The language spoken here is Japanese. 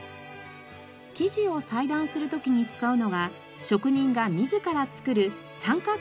生地を裁断する時に使うのが職人が自ら作る三角形の型。